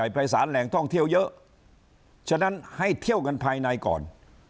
ภายสารแหล่งท่องเที่ยวเยอะฉะนั้นให้เที่ยวกันภายในก่อน